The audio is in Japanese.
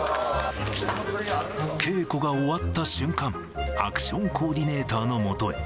稽古が終わった瞬間、アクションコーディネーターのもとへ。